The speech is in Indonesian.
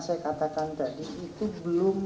saya katakan tadi itu belum